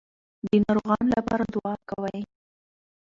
د ناروغانو لپاره دعا کوئ.